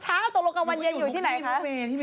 เช้าตกลงกับวันเย็นอยู่ที่ไหนคะ